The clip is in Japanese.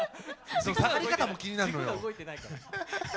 下がり方も気になるのよ